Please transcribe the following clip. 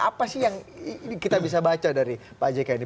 apa sih yang kita bisa baca dari pak jk ini